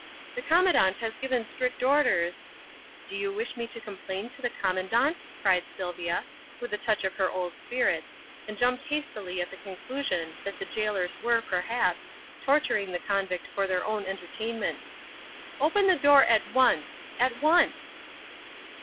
"The Commandant has given strict orders " "Do you wish me to complain to the Commandant?" cries Sylvia, with a touch of her old spirit, and jumped hastily at the conclusion that the gaolers were, perhaps, torturing the convict for their own entertainment. "Open the door at once! at once!"